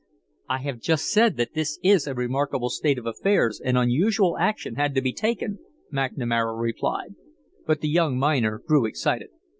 "I have just said that this is a remarkable state of affairs and unusual action had to be taken," McNamara replied, but the young miner grew excited.